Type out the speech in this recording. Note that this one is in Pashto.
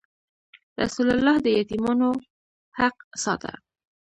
رسول الله د یتیمانو حق ساته.